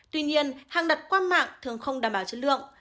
tuy nhiên hàng đặt qua mạng thường không đảm bảo chất lượng